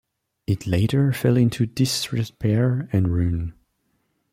It later fell into disrepair and ruin.